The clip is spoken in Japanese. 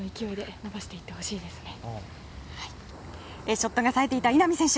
ショットが冴えていた稲見選手。